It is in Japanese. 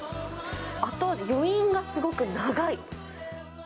後味、余韻がすごく長い。